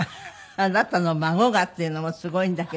「あなたの孫が」っていうのもすごいんだけど。